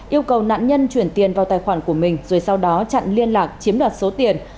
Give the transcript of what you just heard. yêu cầu nạn nhân chuyển tiền vào tài khoản của mình rồi sau đó chặn liên lạc chiếm đoạt số tiền